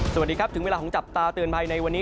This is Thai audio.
สวัสดีครับถึงเวลาของจับตาเตือนภัยในวันนี้